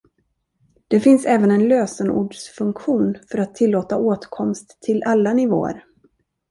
Det finns även en lösenordsfunktion för att tillåta åtkomst till alla nivåer.